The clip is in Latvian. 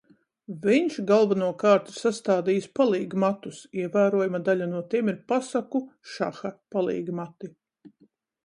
Viņš galvenokārt ir sastādījis palīgmatus, ievērojama daļa no tiem ir pasaku šaha palīgmati.